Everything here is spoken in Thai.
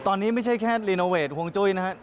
ตอนนี้ไม่ใช่แค่รีโนเวทห่วงจุ้ยนะครับ